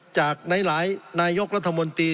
จากหลายนายกรัฐมนตรี